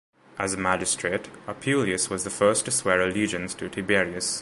As a magistrate, Appuleius was the first to swear allegiance to Tiberius.